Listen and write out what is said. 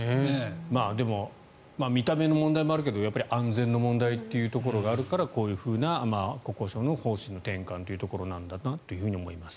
でも見た目の問題もあるけど安全の問題というところがあるからこういうふうな国交省の方針転換なんだなと思います。